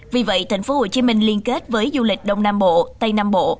vì vậy thành phố hồ chí minh liên kết với du lịch đông nam bộ tây nam bộ